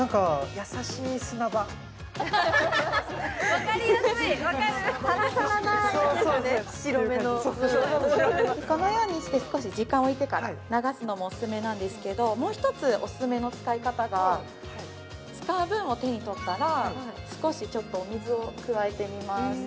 わかりやすいわかるこのようにして少し時間を置いてから流すのもおすすめなんですけどもう一つおすすめの使い方が使う分を手に取ったら少しお水を加えてみます